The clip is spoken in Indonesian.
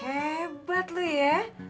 hebat lu ya